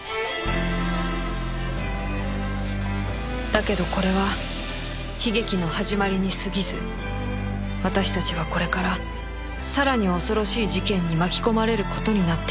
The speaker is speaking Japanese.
だけどこれは悲劇の始まりに過ぎず私たちはこれからさらに恐ろしい事件に巻き込まれる事になっていく